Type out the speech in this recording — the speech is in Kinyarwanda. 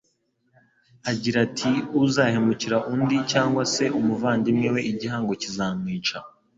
agira ati uzahemukira undi cyangwa se umuvandimwe we igihango kizamwica